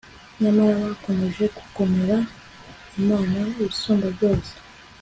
nyamara bakomeje kugomera imana isumbabyose